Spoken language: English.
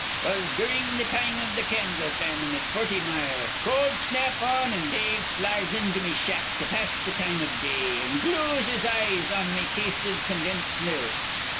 "'Twas durin' the time iv the candle famine at Forty Mile. Cold snap on, an' Dave slides into me shack to pass the time o' day, and glues his eyes on me case iv condensed milk.